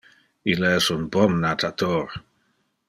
Ille es un bon natator.